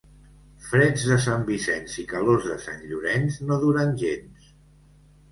Freds de Sant Vicenç i calors de Sant Llorenç no duren gens.